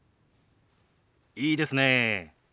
いいですねえ。